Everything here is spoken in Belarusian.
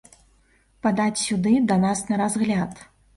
Падаць сюды да нас на разгляд.